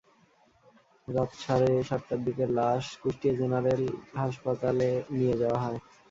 রাত সাড়ে সাতটার দিকে লাশ কুষ্টিয়া জেনারেল হাসপাতালে নিয়ে যাওয়া হয়।